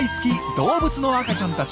動物の赤ちゃんたち。